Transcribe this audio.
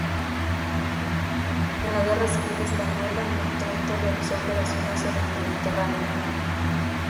En la Guerra Civil Española el "Trento" realizó operaciones en el Mediterráneo.